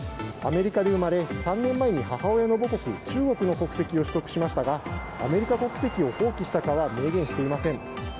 アメリカで生まれ３年前に母親の母国中国の国籍を取得しましたがアメリカ国籍を放棄したかは明言していません。